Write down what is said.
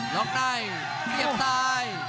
ล็อกไน้ย์เสียบซ้าย